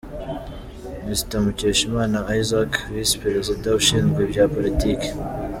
Mr. Mukeshimana Isaac, Visi-Perezida ushinzwe ibya Politiki;